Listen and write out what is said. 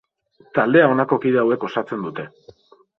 Taldea honako kide hauek osatzen dute.